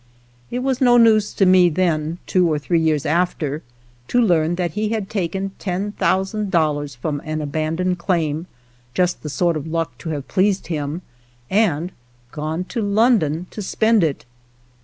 ■ It was no news to me then, two or three years after, to learn that he had taken ten 79 THE POCKET HUNTER thousand dollars from an abandoned claim, just the sort of luck to have pleased him, and gone to London to spend it.